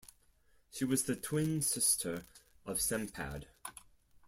She was the twin sister of Sempad.